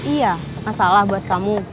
iya masalah buat kamu